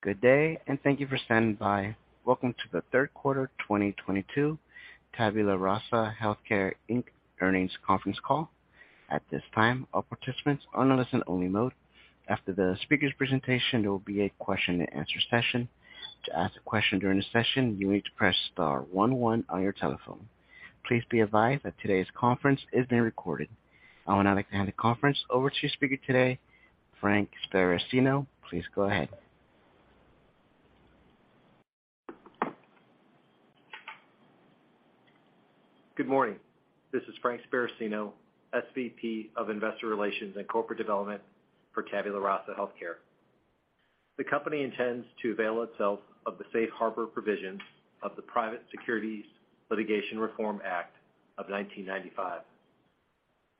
Good day, and thank you for standing by. Welcome to the Third Quarter 2022 Tabula Rasa HealthCare, Inc. earnings conference call. At this time, all participants are on listen only mode. After the speaker's presentation, there will be a question and answer session. To ask a question during the session, you need to press star one one on your telephone. Please be advised that today's conference is being recorded. I would now like to hand the conference over to speaker today, Frank Sparacino. Please go ahead. Good morning. This is Frank Sparacino, SVP of Investor Relations and Corporate Development for Tabula Rasa HealthCare. The company intends to avail itself of the safe harbor provisions of the Private Securities Litigation Reform Act of 1995.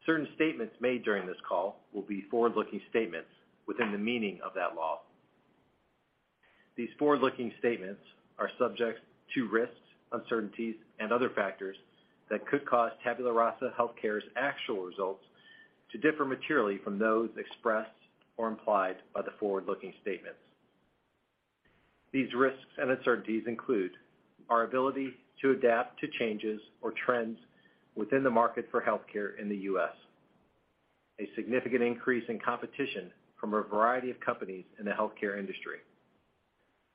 Certain statements made during this call will be forward-looking statements within the meaning of that law. These forward-looking statements are subject to risks, uncertainties and other factors that could cause Tabula Rasa HealthCare's actual results to differ materially from those expressed or implied by the forward-looking statements. These risks and uncertainties include our ability to adapt to changes or trends within the market for healthcare in the U.S. A significant increase in competition from a variety of companies in the healthcare industry,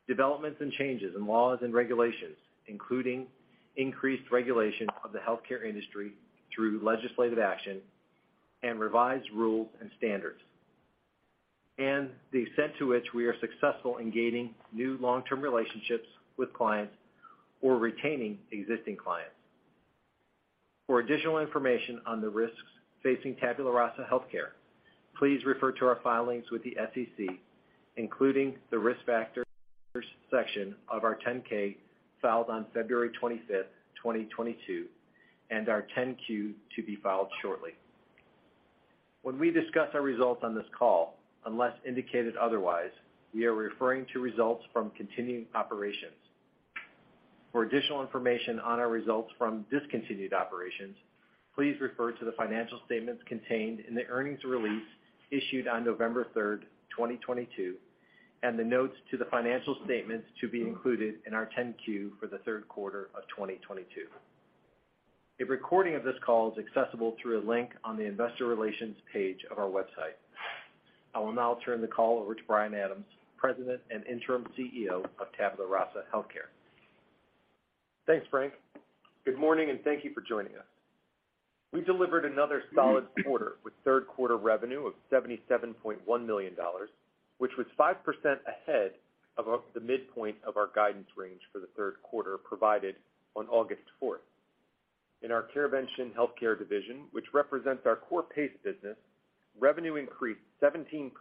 developments and changes in laws and regulations, including increased regulation of the healthcare industry through legislative action and revised rules and standards, and the extent to which we are successful in gaining new long-term relationships with clients or retaining existing clients. For additional information on the risks facing Tabula Rasa HealthCare, please refer to our filings with the SEC, including the Risk Factors section of our 10-K filed on February 25, 2022, and our 10-Q to be filed shortly. When we discuss our results on this call, unless indicated otherwise, we are referring to results from continuing operations. For additional information on our results from discontinued operations, please refer to the financial statements contained in the earnings release issued on November 3, 2022, and the notes to the financial statements to be included in our 10-Q for the third quarter of 2022. A recording of this call is accessible through a link on the investor relations page of our website. I will now turn the call over to Brian Adams, President and Interim CEO of Tabula Rasa HealthCare. Thanks, Frank. Good morning, and thank you for joining us. We delivered another solid quarter with third quarter revenue of $77.1 million, which was 5% ahead of the midpoint of our guidance range for the third quarter provided on August 4th. In our CareVention HealthCare division, which represents our core PACE business, revenue increased 17%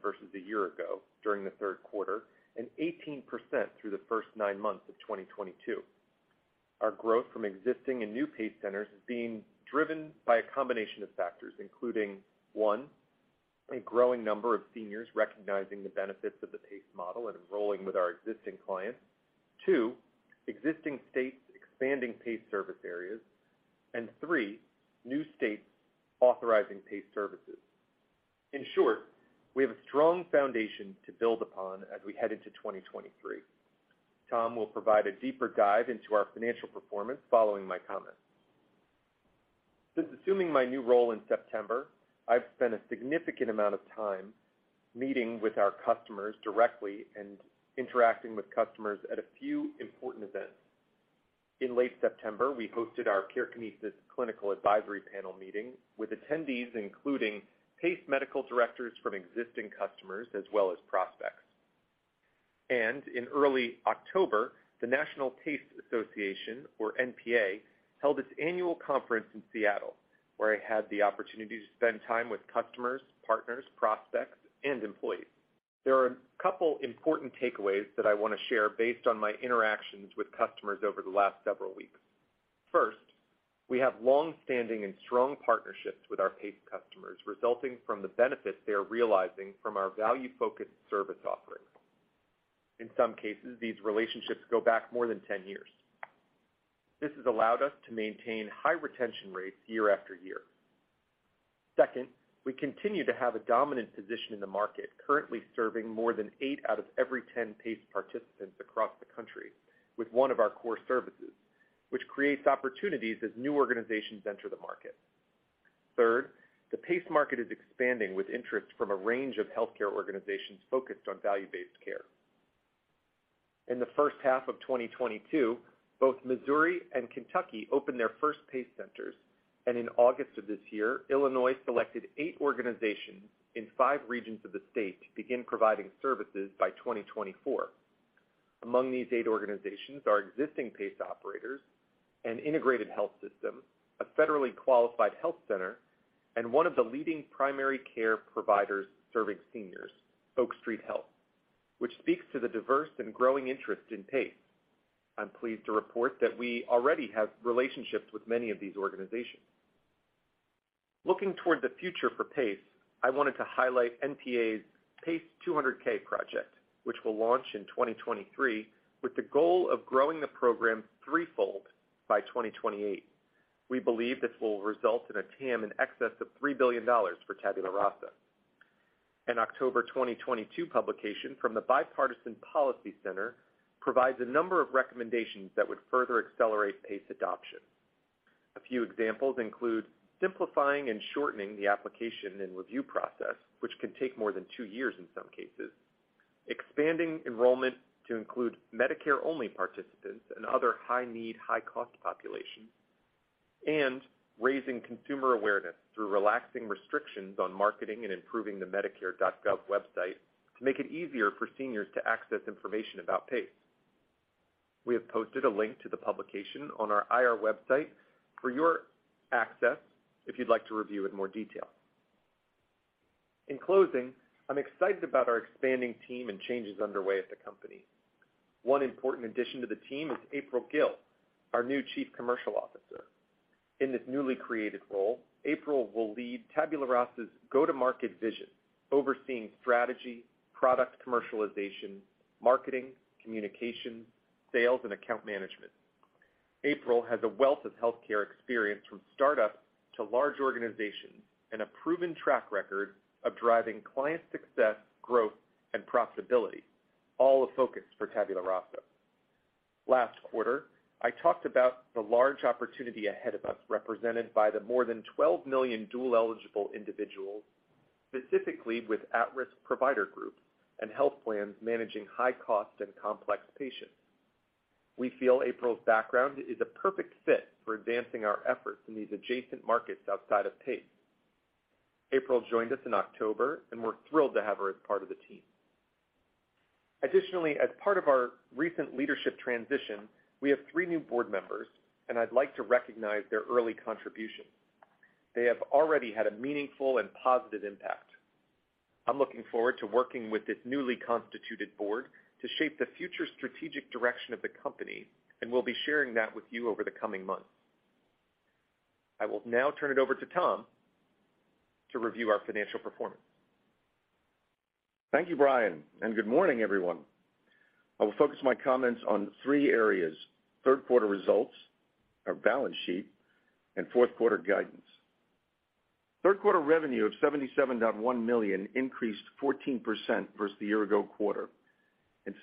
versus a year ago during the third quarter and 18% through the first nine months of 2022. Our growth from existing and new PACE centers is being driven by a combination of factors, including one, a growing number of seniors recognizing the benefits of the PACE model and enrolling with our existing clients. Two, existing states expanding PACE service areas. And three, new states authorizing PACE services. In short, we have a strong foundation to build upon as we head into 2023. Tom will provide a deeper dive into our financial performance following my comments. Since assuming my new role in September, I've spent a significant amount of time meeting with our customers directly and interacting with customers at a few important events. In late September, we hosted our CareKinesis Clinical Advisory Panel meeting with attendees including PACE medical directors from existing customers as well as prospects. In early October, the National PACE Association, or NPA, held its annual conference in Seattle, where I had the opportunity to spend time with customers, partners, prospects, and employees. There are a couple important takeaways that I wanna share based on my interactions with customers over the last several weeks. First, we have longstanding and strong partnerships with our PACE customers resulting from the benefits they are realizing from our value-focused service offerings. In some cases, these relationships go back more than 10 years. This has allowed us to maintain high retention rates year after year. Second, we continue to have a dominant position in the market, currently serving more than eight out of every 10 PACE participants across the country with one of our core services, which creates opportunities as new organizations enter the market. Third, the PACE market is expanding with interest from a range of healthcare organizations focused on value-based care. In the first half of 2022, both Missouri and Kentucky opened their first PACE centers. In August of this year, Illinois selected eight organizations in five regions of the state to begin providing services by 2024. Among these eight organizations are existing PACE operators, an integrated health system, a federally qualified health center, and one of the leading primary care providers serving seniors, Oak Street Health, which speaks to the diverse and growing interest in PACE. I'm pleased to report that we already have relationships with many of these organizations. Looking toward the future for PACE, I wanted to highlight NPA's PACE 200K project, which will launch in 2023 with the goal of growing the program threefold by 2028. We believe this will result in a TAM in excess of $3 billion for Tabula Rasa. An October 2022 publication from the Bipartisan Policy Center provides a number of recommendations that would further accelerate PACE adoption. A few examples include simplifying and shortening the application and review process, which can take more than two years in some cases, expanding enrollment to include Medicare-only participants and other high-need, high-cost populations, and raising consumer awareness through relaxing restrictions on marketing and improving the medicare.gov website to make it easier for seniors to access information about PACE. We have posted a link to the publication on our IR website for your access if you'd like to review in more detail. In closing, I'm excited about our expanding team and changes underway at the company. One important addition to the team is April Gill, our new Chief Commercial Officer. In this newly created role, April will lead Tabula Rasa's go-to-market vision, overseeing strategy, product commercialization, marketing, communication, sales, and account management. April has a wealth of healthcare experience from startup to large organizations and a proven track record of driving client success, growth, and profitability, all a focus for Tabula Rasa. Last quarter, I talked about the large opportunity ahead of us, represented by the more than 12 million dual-eligible individuals, specifically with at-risk provider groups and health plans managing high-cost and complex patients. We feel April's background is a perfect fit for advancing our efforts in these adjacent markets outside of PACE. April joined us in October, and we're thrilled to have her as part of the team. Additionally, as part of our recent leadership transition, we have three new board members, and I'd like to recognize their early contribution. They have already had a meaningful and positive impact. I'm looking forward to working with this newly constituted board to shape the future strategic direction of the company, and we'll be sharing that with you over the coming months. I will now turn it over to Tom to review our financial performance. Thank you, Brian, and good morning, everyone. I will focus my comments on three areas, third quarter results, our balance sheet, and fourth quarter guidance. Third quarter revenue of $77.1 million increased 14% versus the year ago quarter and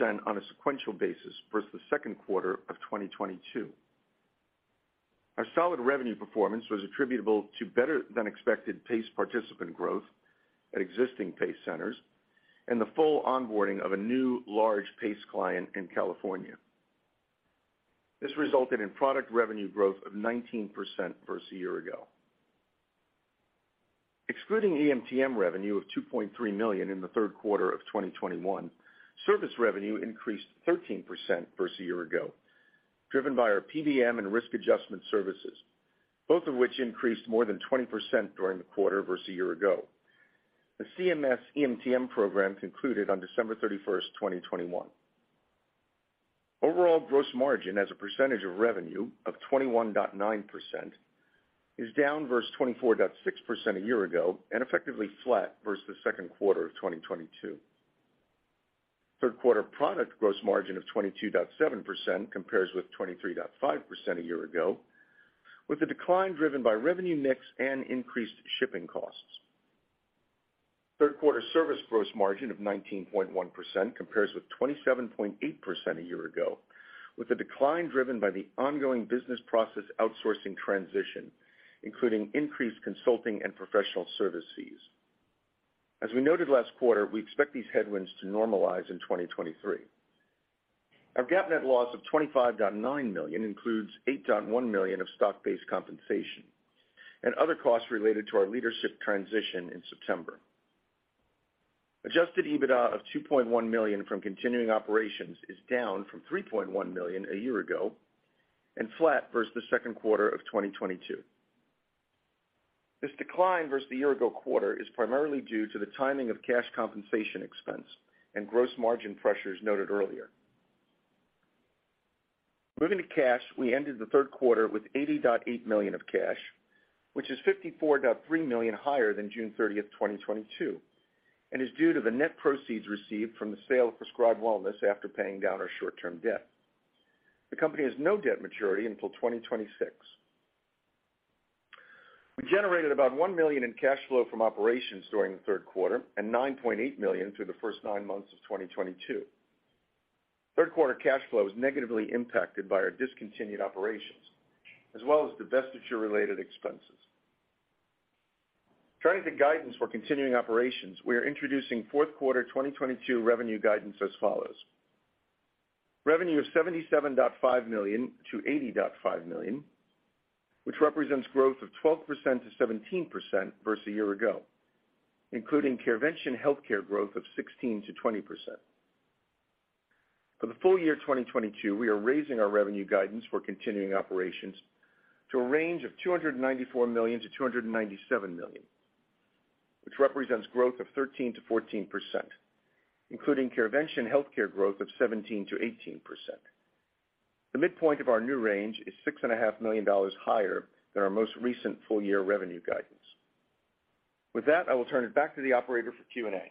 6% on a sequential basis versus the second quarter of 2022. Our solid revenue performance was attributable to better than expected PACE participant growth at existing PACE centers and the full onboarding of a new large PACE client in California. This resulted in product revenue growth of 19% versus a year ago. Excluding EMTM revenue of $2.3 million in the third quarter of 2021, service revenue increased 13% versus a year ago, driven by our PBM and risk adjustment services, both of which increased more than 20% during the quarter versus a year ago. The CMS EMTM program concluded on December 31, 2021. Overall gross margin as a percentage of revenue of 21.9% is down versus 24.6% a year ago and effectively flat versus the second quarter of 2022. Third quarter product gross margin of 22.7% compares with 23.5% a year ago, with the decline driven by revenue mix and increased shipping costs. Third quarter service gross margin of 19.1% compares with 27.8% a year ago, with the decline driven by the ongoing business process outsourcing transition, including increased consulting and professional services. As we noted last quarter, we expect these headwinds to normalize in 2023. Our GAAP net loss of $25.9 million includes $8.1 million of stock-based compensation and other costs related to our leadership transition in September. Adjusted EBITDA of $2.1 million from continuing operations is down from $3.1 million a year ago and flat versus the second quarter of 2022. This decline versus the year ago quarter is primarily due to the timing of cash compensation expense and gross margin pressures noted earlier. Moving to cash, we ended the third quarter with $80.8 million of cash, which is $54.3 million higher than June 30th, 2022, and is due to the net proceeds received from the sale of PrescribeWellness after paying down our short-term debt. The company has no debt maturity until 2026. We generated about $1 million in cash flow from operations during the third quarter and $9.8 million through the first nine months of 2022. Third quarter cash flow was negatively impacted by our discontinued operations as well as divestiture-related expenses. Turning to guidance for continuing operations, we are introducing fourth quarter 2022 revenue guidance as follows, revenue of $77.5 million-$80.5 million, which represents growth of 12%-17% versus a year ago, including CareVention HealthCare growth of 16%-20%. For the full year 2022, we are raising our revenue guidance for continuing operations to a range of $294 million-$297 million, which represents growth of 13%-14%, including CareVention HealthCare growth of 17%-18%. The midpoint of our new range is six and a half million dollars higher than our most recent full year revenue guidance. With that, I will turn it back to the operator for Q&A.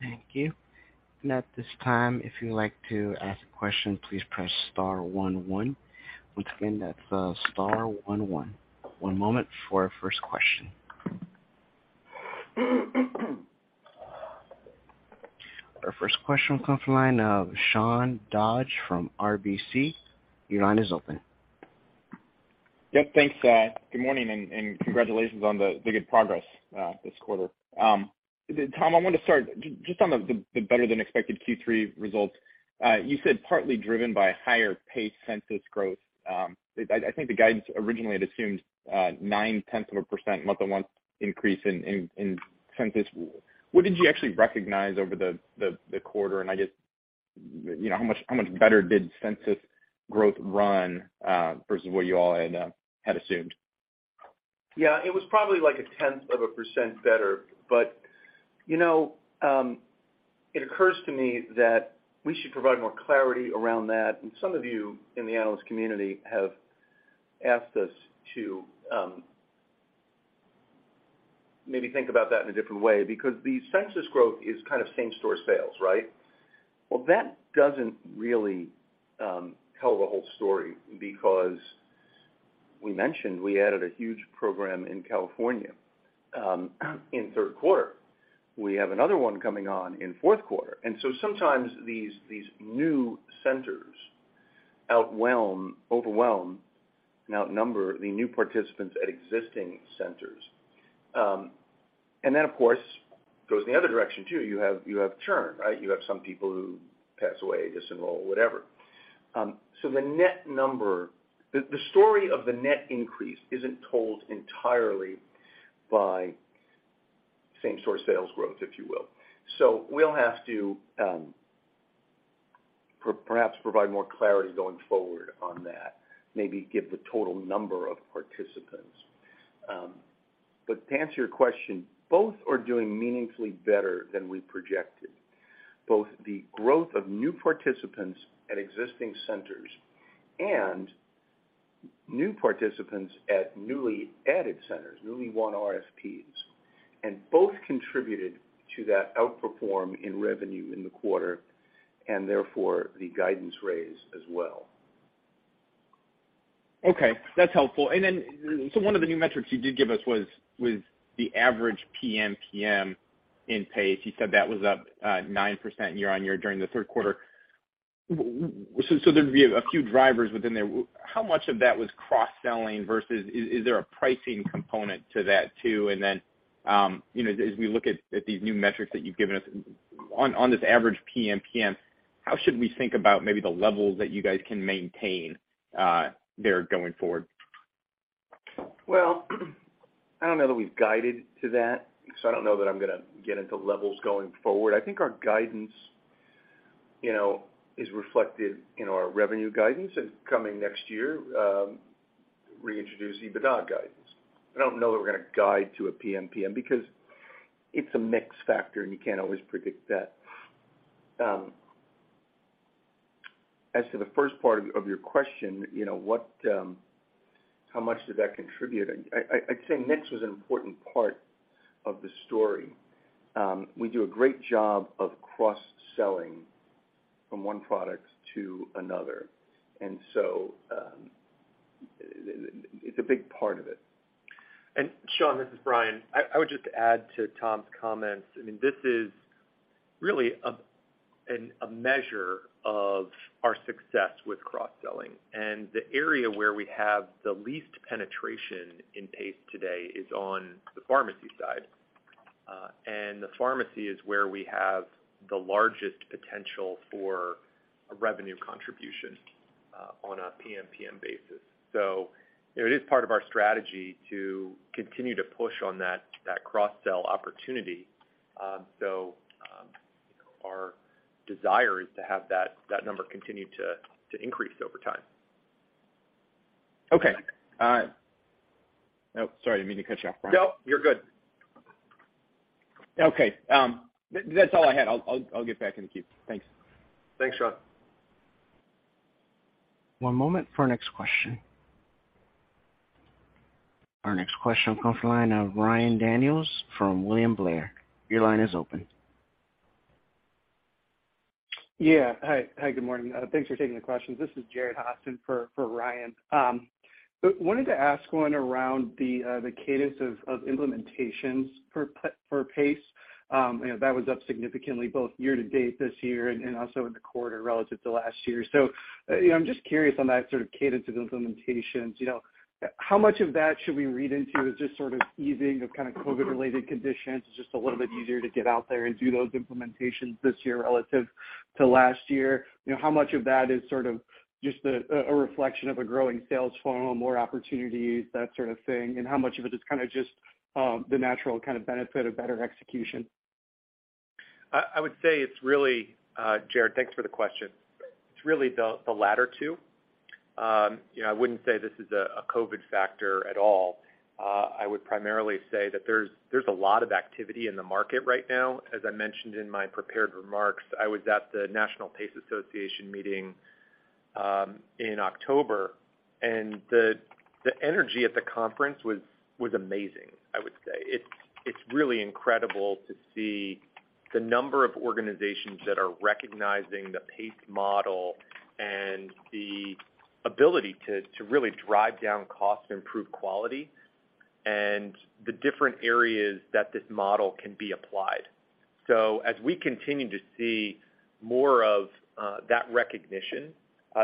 Thank you. At this time, if you'd like to ask a question, please press star one one. Once again, that's star one one. One moment for our first question. Our first question will come from the line of Sean Dodge from RBC. Your line is open. Yep, thanks, good morning and congratulations on the good progress this quarter. Tom, I wanted to start just on the better than expected Q3 results. You said partly driven by higher PACE census growth. I think the guidance originally had assumed 0.9% month-on-month increase in census. What did you actually recognize over the quarter? I guess, you know, how much better did census growth run versus what you all had assumed? Yeah, it was probably like 0.1% better. You know, it occurs to me that we should provide more clarity around that. Some of you in the analyst community have asked us to maybe think about that in a different way because the census growth is kind of same-store sales, right? Well, that doesn't really tell the whole story because we mentioned we added a huge program in California in third quarter. We have another one coming on in fourth quarter. Sometimes these new centers overwhelm and outnumber the new participants at existing centers. Of course, goes in the other direction too. You have churn, right? You have some people who pass away, disenroll, whatever. The net number. The story of the net increase isn't told entirely by same-store sales growth, if you will. We'll have to perhaps provide more clarity going forward on that, maybe give the total number of participants. To answer your question, both are doing meaningfully better than we projected. Both the growth of new participants at existing centers and new participants at newly added centers, newly won RFPs, and both contributed to that outperformance in revenue in the quarter and therefore the guidance raise as well. Okay, that's helpful. One of the new metrics you did give us was the average PMPM in PACE. You said that was up 9% year-on-year during the third quarter. There'd be a few drivers within there. How much of that was cross-selling versus, is there a pricing component to that too? You know, as we look at these new metrics that you've given us on this average PMPM, how should we think about maybe the levels that you guys can maintain there going forward? Well, I don't know that we've guided to that, so I don't know that I'm gonna get into levels going forward. I think our guidance, you know, is reflected in our revenue guidance and coming next year, reintroduce EBITDA guidance. I don't know that we're gonna guide to a PMPM because it's a mix factor and you can't always predict that. As to the first part of your question, you know, what, how much did that contribute? I'd say mix was an important part of the story. We do a great job of cross-selling from one product to another. It's a big part of it. Sean, this is Brian. I would just add to Tom's comments. I mean, this is really a measure of our success with cross-selling. The area where we have the least penetration in PACE today is on the pharmacy side. The pharmacy is where we have the largest potential for a revenue contribution on a PMPM basis. You know, it is part of our strategy to continue to push on that cross-sell opportunity. Our desire is to have that number continue to increase over time. Okay. Oh, sorry, I didn't mean to cut you off, Brian. No, you're good. Okay. That's all I had. I'll get back in the queue. Thanks. Thanks, Sean. One moment for our next question. Our next question comes from the line of Ryan Daniels from William Blair. Your line is open. Yeah. Hi. Hi, good morning. Thanks for taking the questions. This is Jared Haase for Ryan. Wanted to ask one around the cadence of implementations for PACE. You know, that was up significantly both year to date this year and also in the quarter relative to last year. You know, I'm just curious on that sort of cadence of implementations, you know. How much of that should we read into is just sort of easing of kind of COVID-related conditions, it's just a little bit easier to get out there and do those implementations this year relative to last year? You know, how much of that is sort of just a reflection of a growing sales funnel, more opportunities, that sort of thing? How much of it is kind of just the natural kind of benefit of better execution? I would say it's really, Jared, thanks for the question. It's really the latter two. You know, I wouldn't say this is a COVID factor at all. I would primarily say that there's a lot of activity in the market right now. As I mentioned in my prepared remarks, I was at the National PACE Association meeting In October, the energy at the conference was amazing, I would say. It's really incredible to see the number of organizations that are recognizing the PACE model and the ability to really drive down cost, improve quality, and the different areas that this model can be applied. As we continue to see more of that recognition,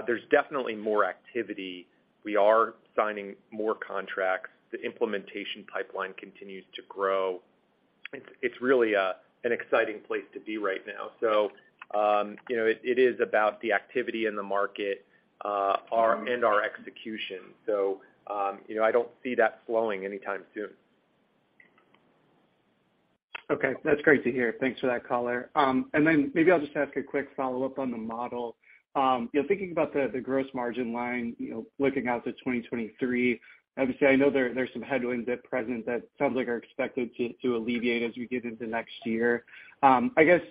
there's definitely more activity. We are signing more contracts. The implementation pipeline continues to grow. It's really an exciting place to be right now. You know, it is about the activity in the market and our execution. You know, I don't see that slowing anytime soon. Okay. That's great to hear. Thanks for that color. Then maybe I'll just ask a quick follow-up on the model. You know, thinking about the gross margin line, you know, looking out to 2023, obviously, I know there's some headwinds at present that sounds like are expected to alleviate as we get into next year. I guess,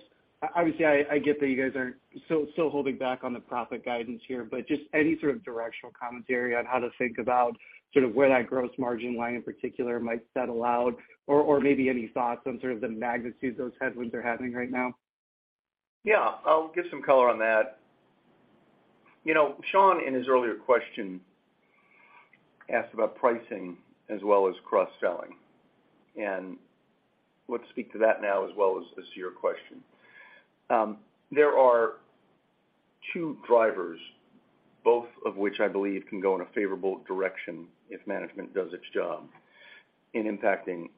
obviously, I get that you guys are still holding back on the profit guidance here, but just any sort of directional commentary on how to think about sort of where that gross margin line in particular might settle out, or maybe any thoughts on sort of the magnitude those headwinds are having right now? Yeah. I'll give some color on that. You know, Sean, in his earlier question, asked about pricing as well as cross-selling. Let's speak to that now as well as this year question. There are two drivers, both of which I believe can go in a favorable direction if management does its job in impacting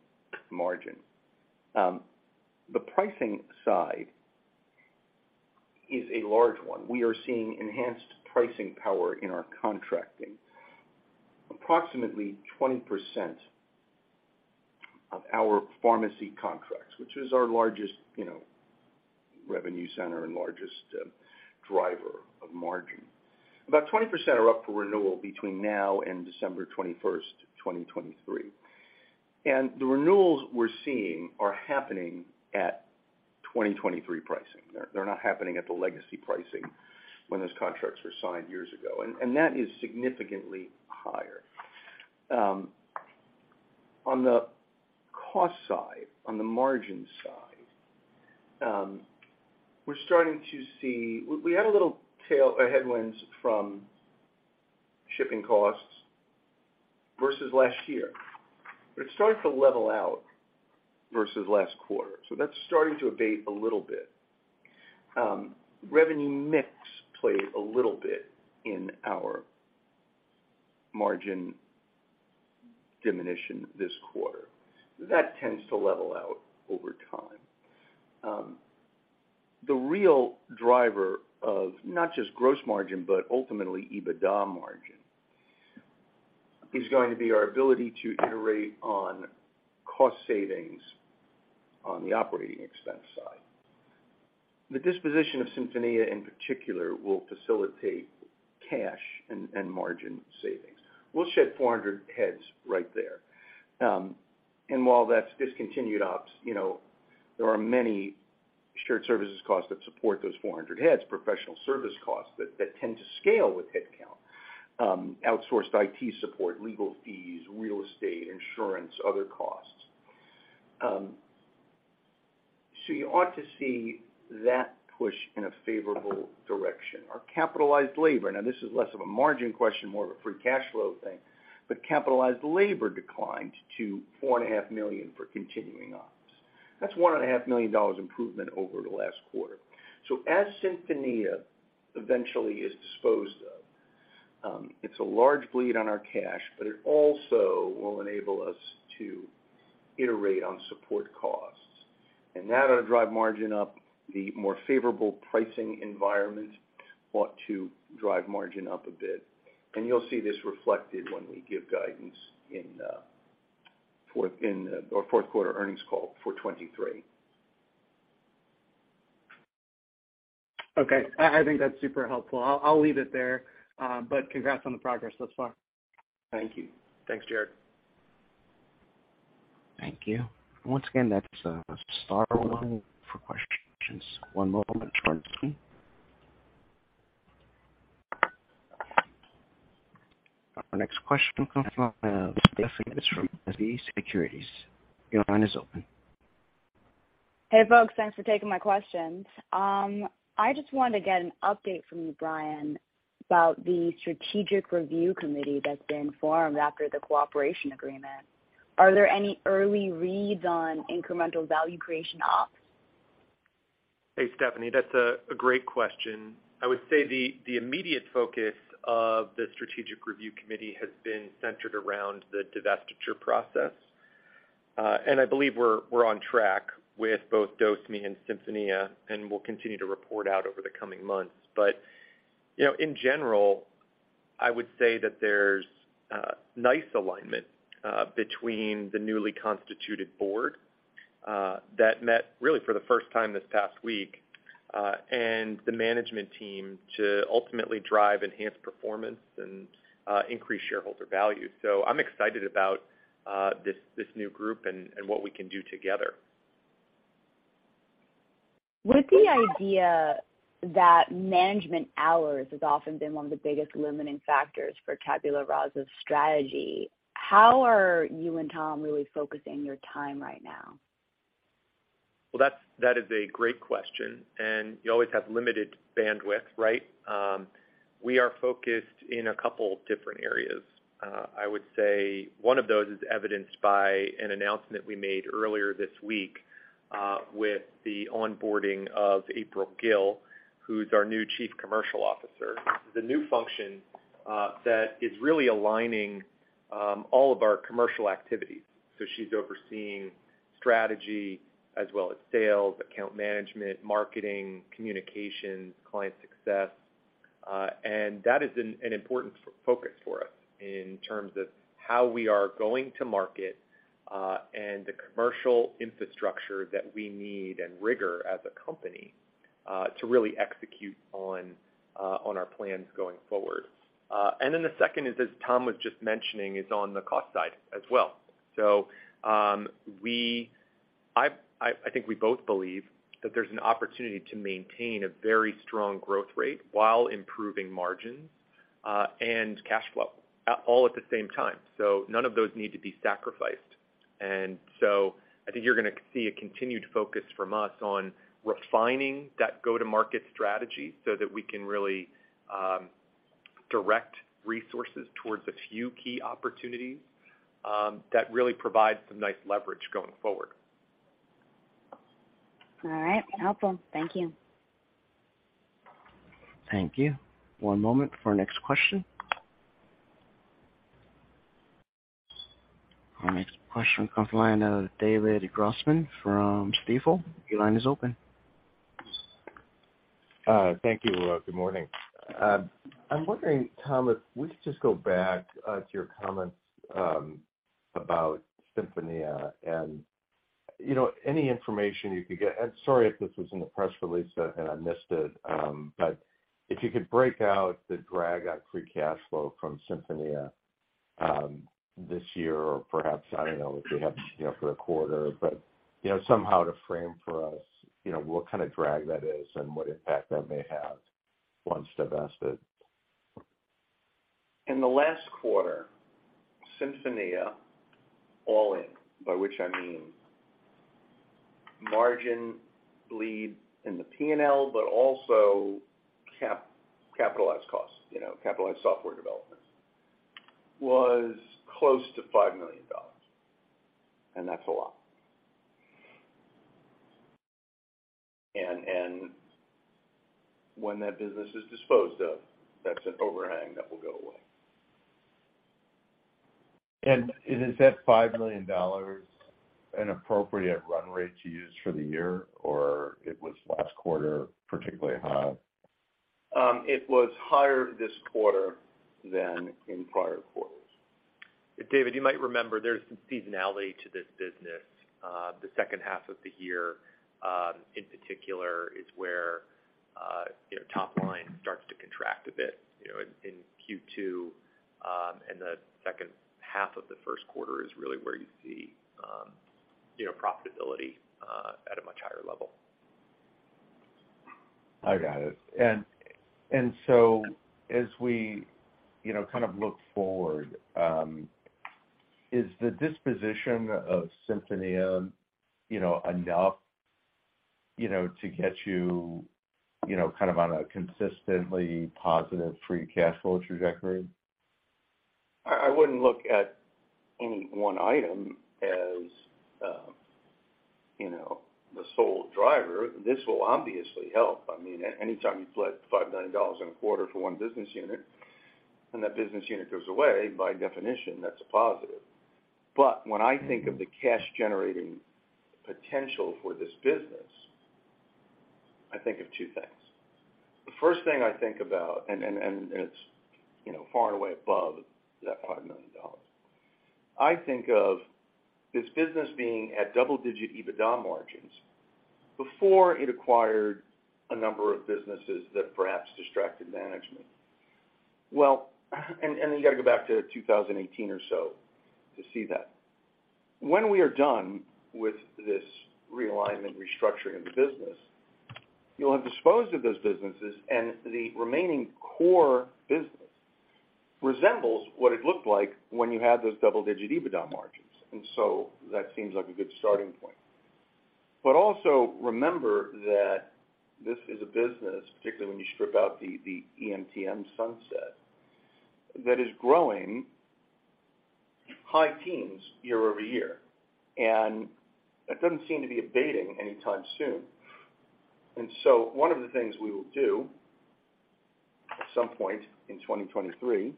margin. The pricing side is a large one. We are seeing enhanced pricing power in our contracting. Approximately 20% of our pharmacy contracts, which is our largest, you know, revenue center and largest driver of margin. About 20% are up for renewal between now and December 21, 2023. The renewals we're seeing are happening at 2023 pricing. They're not happening at the legacy pricing when those contracts were signed years ago, and that is significantly higher. On the cost side, on the margin side, we're starting to see. We had a little tailwind or headwinds from shipping costs versus last year, but it started to level out versus last quarter. That's starting to abate a little bit. Revenue mix played a little bit in our margin diminution this quarter. That tends to level out over time. The real driver of not just gross margin, but ultimately EBITDA margin, is going to be our ability to iterate on cost savings on the operating expense side. The disposition of SinfoníaRx, in particular, will facilitate cash and margin savings. We'll shed 400 heads right there. While that's discontinued ops, you know, there are many shared services costs that support those 400 heads, professional service costs that tend to scale with headcount, outsourced IT support, legal fees, real estate, insurance, other costs. You ought to see that push in a favorable direction. Our capitalized labor, now this is less of a margin question, more of a free cash flow thing, but capitalized labor declined to $4.5 million for continuing ops. That's $1.5 million improvement over the last quarter. As SinfoníaRx eventually is disposed of, it's a large bleed on our cash, but it also will enable us to iterate on support costs. That'll drive margin up, the more favorable pricing environment ought to drive margin up a bit. You'll see this reflected when we give guidance in our fourth quarter earnings call for 2023. Okay. I think that's super helpful. I'll leave it there, but congrats on the progress thus far. Thank you. Thanks, Jared. Thank you. Once again, that's star one for questions. One moment for the queue. Our next question comes from Stephanie Davis from SVB Securities. Your line is open. Hey, folks. Thanks for taking my questions. I just wanted to get an update from you, Brian, about the strategic review committee that's been formed after the cooperation agreement. Are there any early reads on incremental value creation ops? Hey, Stephanie. That's a great question. I would say the immediate focus of the strategic review committee has been centered around the divestiture process. I believe we're on track with both DoseMe and SinfoníaRx, and we'll continue to report out over the coming months. You know, in general, I would say that there's a nice alignment between the newly constituted board that met really for the first time this past week and the management team to ultimately drive enhanced performance and increase shareholder value. I'm excited about this new group and what we can do together. With the idea that management hours has often been one of the biggest limiting factors for Tabula Rasa's strategy, how are you and Tom really focusing your time right now? That is a great question, and you always have limited bandwidth, right? We are focused in a couple different areas. I would say one of those is evidenced by an announcement we made earlier this week with the onboarding of April Gill, who's our new Chief Commercial Officer. The new function that is really aligning all of our commercial activities. She's overseeing strategy as well as sales, account management, marketing, communications, client success. That is an important focus for us in terms of how we are going to market and the commercial infrastructure that we need and rigor as a company to really execute on our plans going forward. The second is, as Tom was just mentioning, on the cost side as well. I think we both believe that there's an opportunity to maintain a very strong growth rate while improving margins, and cash flow, all at the same time. None of those need to be sacrificed. I think you're gonna see a continued focus from us on refining that go-to-market strategy so that we can really direct resources towards a few key opportunities that really provide some nice leverage going forward. All right. Helpful. Thank you. Thank you. One moment for our next question. Our next question comes from the line of David Grossman from Stifel. Your line is open. Thank you. Good morning. I'm wondering, Tom, if we could just go back to your comments about SinfoníaRx and, you know, any information you could get. Sorry if this was in the press release and I missed it, but if you could break out the drag on free cash flow from SinfoníaRx this year or perhaps, I don't know if you have, you know, for the quarter, but, you know, somehow to frame for us, you know, what kind of drag that is and what impact that may have once divested. In the last quarter, SinfoníaRx all in, by which I mean margin bleed in the P&L, but also capitalized costs, you know, capitalized software development, was close to $5 million, and that's a lot. When that business is disposed of, that's an overhang that will go away. Is that $5 million an appropriate run rate to use for the year, or it was last quarter particularly high? It was higher this quarter than in prior quarters. David, you might remember there's some seasonality to this business. The second half of the year, in particular is where, you know, top line starts to contract a bit, you know, in Q2. The second half of the first quarter is really where you see, you know, profitability at a much higher level. I got it. As we, you know, kind of look forward, is the disposition of SinfoníaRx, you know, enough, you know, to get you know, kind of on a consistently positive free cash flow trajectory? I wouldn't look at any one item as, you know, the sole driver. This will obviously help. I mean, anytime you flood $5 million in a quarter for one business unit and that business unit goes away, by definition, that's a positive. When I think of the cash-generating potential for this business, I think of two things. The first thing I think about, and it's, you know, far and away above that $5 million, I think of this business being at double-digit EBITDA margins before it acquired a number of businesses that perhaps distracted management. Well, you gotta go back to 2018 or so to see that. When we are done with this realignment restructuring of the business, you'll have disposed of those businesses, and the remaining core business resembles what it looked like when you had those double-digit EBITDA margins. That seems like a good starting point. Also remember that this is a business, particularly when you strip out the EMTM sunset, that is growing high teens year-over-year, and that doesn't seem to be abating anytime soon. One of the things we will do at some point in 2023,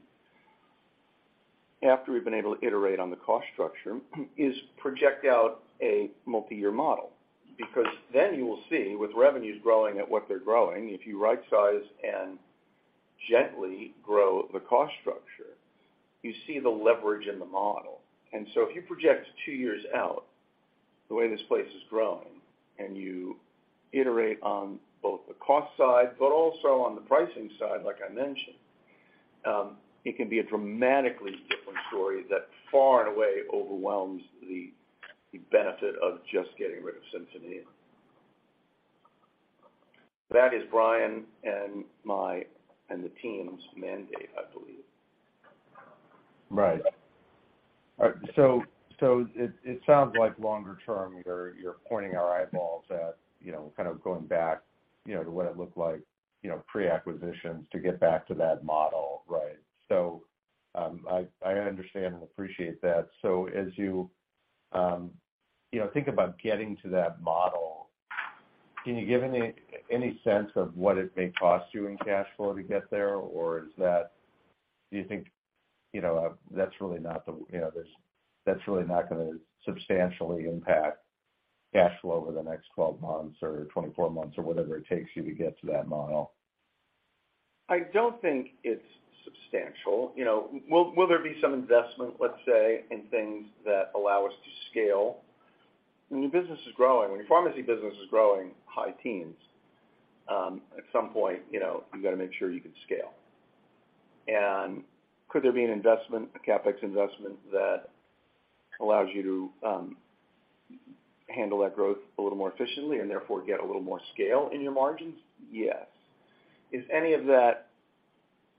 after we've been able to iterate on the cost structure, is project out a multi-year model, because then you will see with revenues growing at what they're growing, if you right size and gently grow the cost structure, you see the leverage in the model. If you project two years out, the way this place is growing, and you iterate on both the cost side, but also on the pricing side, like I mentioned, it can be a dramatically different story that far and away overwhelms the benefit of just getting rid of SinfoníaRx. That is Brian and my, and the team's mandate, I believe. Right. All right. It sounds like longer term, you're pointing our eyeballs at, you know, kind of going back, you know, to what it looked like, you know, pre-acquisitions to get back to that model, right? I understand and appreciate that. As you know, think about getting to that model, can you give any sense of what it may cost you in cash flow to get there? Or do you think, you know, that's really not gonna substantially impact cash flow over the next 12 months or 24 months or whatever it takes you to get to that model? I don't think it's substantial. You know, will there be some investment, let's say, in things that allow us to scale? When your business is growing, when your pharmacy business is growing high teens, at some point, you know, you gotta make sure you can scale. Could there be an investment, a CapEx investment that allows you to handle that growth a little more efficiently and therefore get a little more scale in your margins? Yes. Is any of that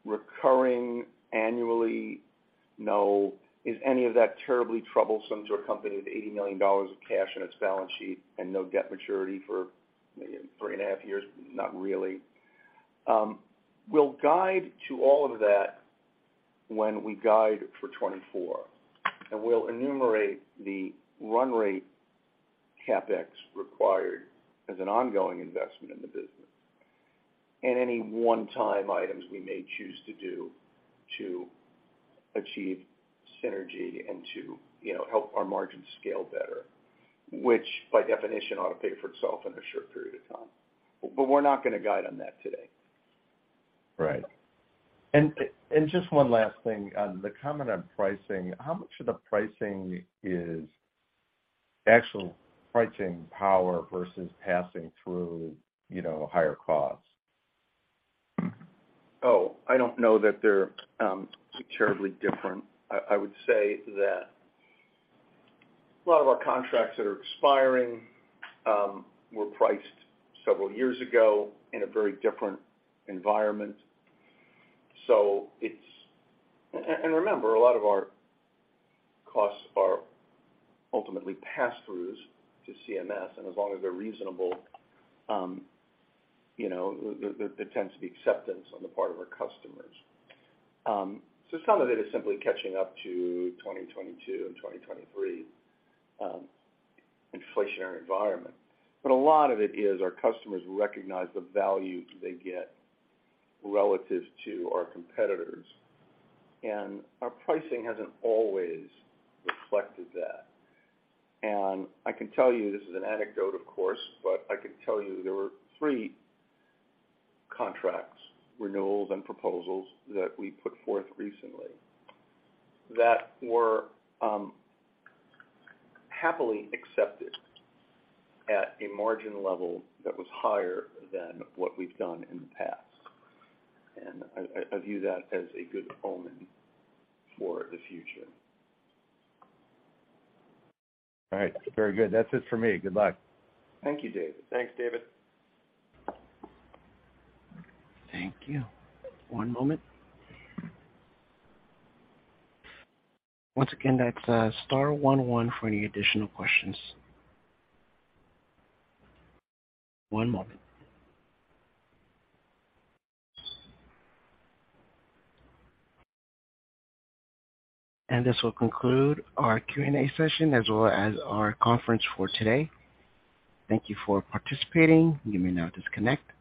recurring annually? No. Is any of that terribly troublesome to a company with $80 million of cash on its balance sheet and no debt maturity for maybe 3.5 years? Not really. We'll guide to all of that when we guide for 2024. We'll enumerate the run rate CapEx required as an ongoing investment in the business and any one-time items we may choose to do to achieve synergy and to, you know, help our margins scale better, which by definition ought to pay for itself in a short period of time. We're not gonna guide on that today. Right. Just one last thing. On the comment on pricing, how much of the pricing is actual pricing power versus passing through, you know, higher costs? Oh, I don't know that they're terribly different. I would say that a lot of our contracts that are expiring were priced several years ago in a very different environment. Remember, a lot of our costs are ultimately pass-throughs to CMS, and as long as they're reasonable, you know, there tends to be acceptance on the part of our customers. Some of it is simply catching up to 2022 and 2023 inflationary environment. A lot of it is our customers recognize the value they get relative to our competitors, and our pricing hasn't always reflected that. I can tell you, this is an anecdote of course, but I can tell you there were three contracts, renewals and proposals that we put forth recently that were happily accepted at a margin level that was higher than what we've done in the past. I view that as a good omen for the future. All right. Very good. That's it for me. Good luck. Thank you, David. Thanks, David. Thank you. One moment. Once again, that's star one one for any additional questions. One moment. This will conclude our Q&A session as well as our conference for today. Thank you for participating. You may now disconnect.